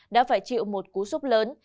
đã phải chịu một cú súc lớn